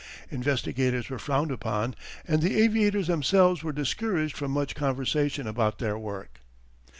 Investigators were frowned upon and the aviators themselves were discouraged from much conversation about their work.